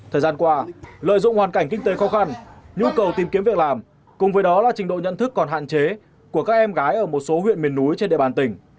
thời gian qua lợi dụng hoàn cảnh kinh tế khó khăn nhu cầu tìm kiếm việc làm cùng với đó là trình độ nhận thức còn hạn chế của các em gái ở một số huyện miền núi trên địa bàn tỉnh